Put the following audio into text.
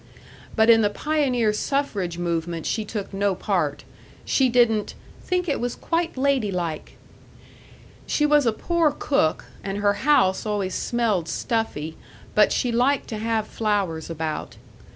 But in the pioneer suffrage movement she took no part she didn't "think it was quite ladylike." ... She was a poor cook, and her house always smelled stuffy, but she liked to have flowers about.